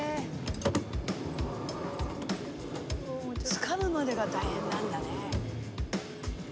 つかむまでが大変なんだね。